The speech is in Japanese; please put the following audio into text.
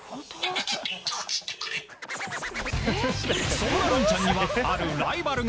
そんな、るんちゃんにはあるライバルが。